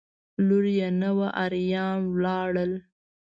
لور یې نه وه اریان ولاړل.